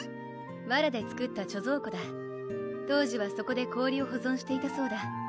わらで作った貯蔵庫だ当時はそこで氷を保存していたそうだ